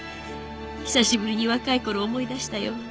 久しぶりに若い頃を思い出したよ。